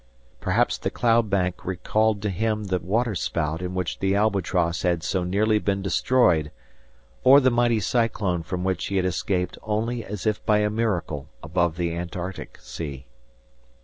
Perhaps the cloud bank recalled to him the waterspout in which the "Albatross" had so nearly been destroyed, or the mighty cyclone from which he had escaped only as if by a miracle above the Antarctic Sea.